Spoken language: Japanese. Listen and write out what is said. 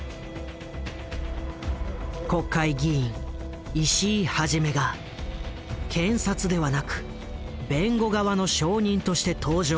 国会議員石井一が検察ではなく弁護側の証人として登場したのだ。